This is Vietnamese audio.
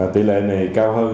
tỉ lệ này cao hơn